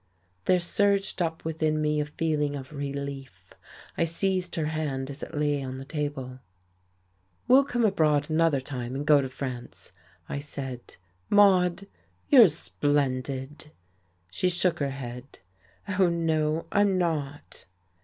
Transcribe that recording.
There surged up within me a feeling of relief. I seized her hand as it lay on the table. "We'll come abroad another time, and go to France," I said. "Maude, you're splendid!" She shook her head. "Oh, no, I'm not."